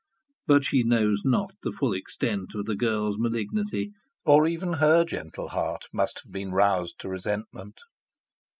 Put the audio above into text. But she knows not the full extent of the girl's malignity, or even her gentle heart must have been roused to resentment.